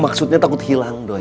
maksudnya takut hilang doi